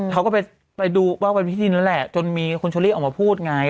เขาก็ไปดูว่าเป็นพี่ทินแล้วแหละจนมีคุณชุริออกมาพูดไง